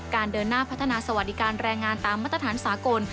เดินหน้าพัฒนาสวัสดิการแรงงานตามมาตรฐานสากล